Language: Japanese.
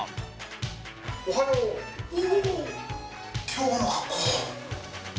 おはよう！